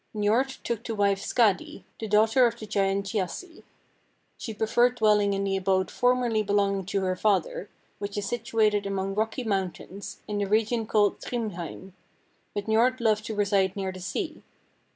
Njord took to wife Skadi, the daughter of the giant Thjassi. She preferred dwelling in the abode formerly belonging to her father, which is situated among rocky mountains, in the region called Thrymheim, but Njord loved to reside near the sea.